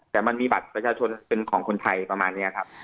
แต่มันมีบัตรประชาชนเป็นของคนไทยประมาณนี้ครับ